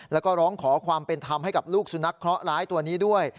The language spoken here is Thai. แล้วก็ร้องขอความเป็นธรรมให้กับลูกสุนัขเคราะหร้ายตัวนี้ด้วย